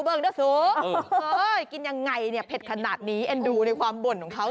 เฮ้ยกินอย่างไรเผ็ดขนาดนี้ดูในความบ่นของเขา